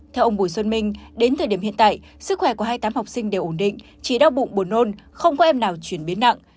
theo ông bùi xuân minh đến thời điểm hiện tại sức khỏe của hai mươi tám học sinh đều ổn định chỉ đau bụng buồn nôn không có em nào chuyển biến nặng